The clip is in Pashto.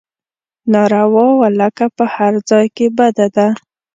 ناروا ولکه په هر حال کې بده ده.